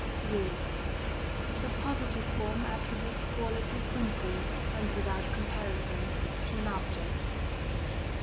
3. The positive form attributes quality simply, and without comparison, to an object.